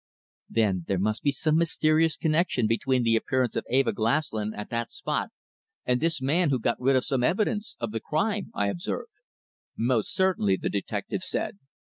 "Then there must be some mysterious connexion between the appearance of Eva Glaslyn at that spot and this man who got rid of some evidence of the crime," I observed. "Most certainly," the detective said.